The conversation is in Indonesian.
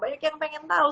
banyak yang pengen tahu